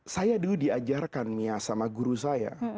saya dulu diajarkan mia sama guru saya